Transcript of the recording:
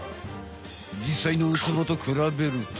じっさいのウツボとくらべると。